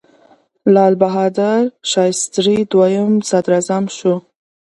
لال بهادر شاستري دویم صدراعظم شو.